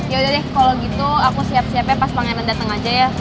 yaudah deh kalau gitu aku siap siapnya pas pangeran datang aja ya